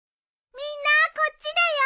みんなこっちだよ！